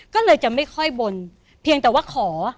ก็เลยจะไม่ค่อยบนเพียงแต่ว่าขอ